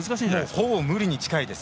ほぼ無理に近いです。